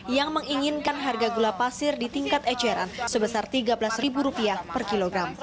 yang menginginkan harga gula pasir di tingkat eceran sebesar rp tiga belas per kilogram